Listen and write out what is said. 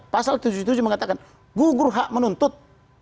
pasal tujuh puluh tujuh mengatakan gugur hak menuntut